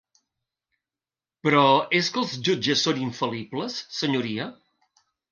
Però és que els jutges són infal·libles, senyoria?